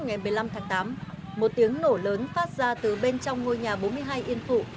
ngày một mươi năm tháng tám một tiếng nổ lớn phát ra từ bên trong ngôi nhà bốn mươi hai yên phụ